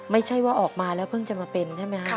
ไม่ใช่ว่าออกมาแล้วเพิ่งจะมาเป็นใช่ไหมครับ